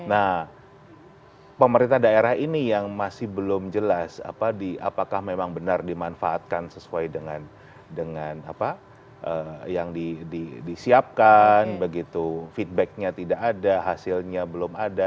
nah pemerintah daerah ini yang masih belum jelas apakah memang benar dimanfaatkan sesuai dengan apa yang disiapkan begitu feedbacknya tidak ada hasilnya belum ada